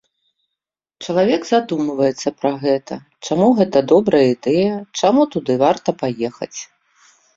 Чалавек задумваецца пра гэта, чаму гэта добрая ідэя, чаму туды варта паехаць.